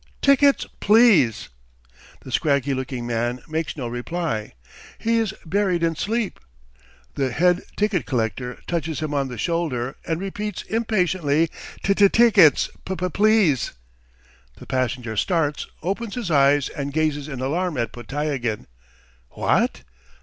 "Tickets, please!" The scraggy looking man makes no reply. He is buried in sleep. The head ticket collector touches him on the shoulder and repeats impatiently: "T t tickets, p p please!" The passenger starts, opens his eyes, and gazes in alarm at Podtyagin. "What?